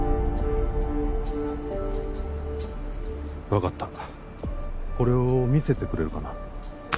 分かったこれを見せてくれるかな？